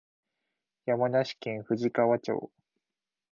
山梨県富士川町